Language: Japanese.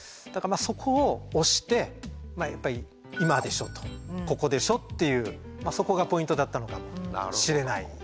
だからそこを押してやっぱり「今でしょ」と「ここでしょ」っていうそこがポイントだったのかもしれない。